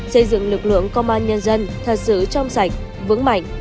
xây dựng lực lượng công an nhân dân thật sự trong sạch vững mạnh